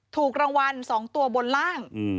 ถูกรางวัล๒ตัวบนล่าง